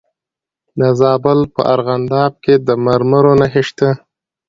د زابل په ارغنداب کې د مرمرو نښې شته.